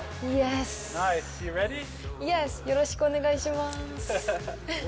よろしくお願いします。